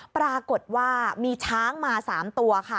ปรากฏว่ามีช้างมา๓ตัวค่ะ